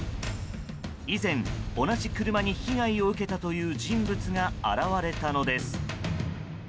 以前、同じ車に被害を受けたという人物が現れたのです。